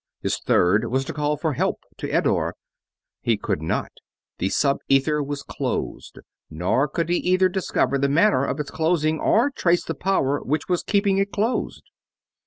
His third was to call for help to Eddore. He could not. The sub ether was closed; nor could he either discover the manner of its closing or trace the power which was keeping it closed!